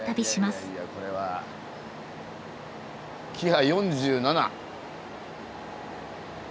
キハ４７。